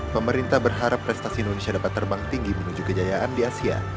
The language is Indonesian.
pemerintah berharap prestasi indonesia dapat terbang tinggi menuju kejayaan di asia